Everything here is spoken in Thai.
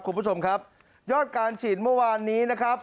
คุณผู้ชมครับยอดการฉีดเมื่อวานนี้นะครับ